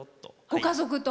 ご家族と。